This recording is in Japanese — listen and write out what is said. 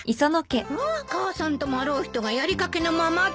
まあ母さんともあろう人がやり掛けのままで。